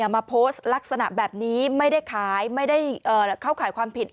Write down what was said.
มาโพสต์ลักษณะแบบนี้ไม่ได้ขายไม่ได้เข้าข่ายความผิด